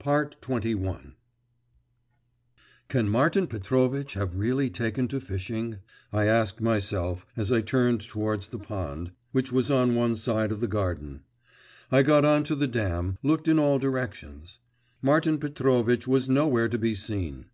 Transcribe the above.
XXI 'Can Martin Petrovitch have really taken to fishing?' I asked myself, as I turned towards the pond, which was on one side of the garden. I got on to the dam, looked in all directions.… Martin Petrovitch was nowhere to be seen.